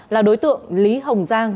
là đối tượng lý hồng giang